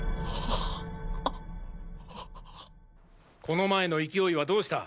この前の勢いはどうした？